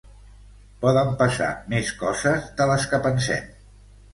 Poden passar més coses de les que pensem.